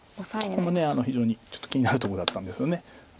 ここも非常にちょっと気になるとこだったんですよね。